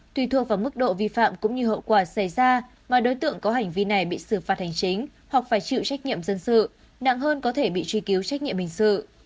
tùy thuộc vào mức độ vi phạm cũng như hậu quả xảy ra mà đối tượng có hành vi này bị xử phạt hành chính hoặc phải chịu trách nhiệm dân sự nặng hơn có thể bị truy cứu trách nhiệm hình sự